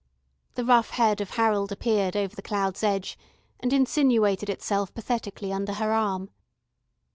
The rough head of Harold appeared over the cloud's edge, and insinuated itself pathetically under her arm.